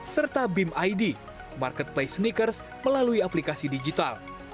serta beam id marketplace sneakers melalui aplikasi digital